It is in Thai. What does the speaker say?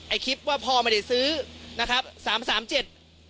ไอคลิปว่าพ่อไม่ได้ซื้อนะครับสามสามเจ็ด